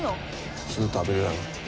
普通食べるやろ。